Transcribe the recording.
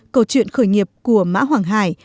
câu chuyện khởi nghiệp của mã hoàng hải